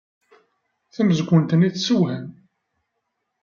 Tamezgunt-nni tessewham.